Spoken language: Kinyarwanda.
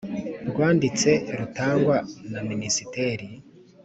rwanditse rutangwa na minisiteri